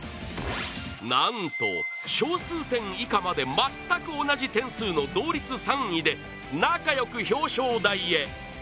なんと小数点以下まで全く同じ点数の同率３位で、仲良く表彰台へ。